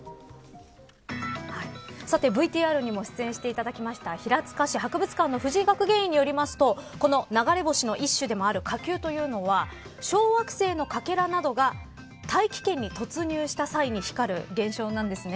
さて、ＶＴＲにも出演していただきました平塚市博物館の藤井学芸員によりますとこの流れ星の一種である火球は小惑星のかけらなどが大気圏に突入した際に光る現象なんですね。